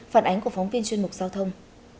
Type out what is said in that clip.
phản ánh của phóng viên chuyên mục giao thông